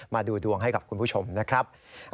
มาดูดวงให้กับคุณผู้ชมนะครับ